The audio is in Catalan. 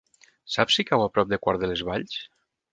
Saps si cau a prop de Quart de les Valls?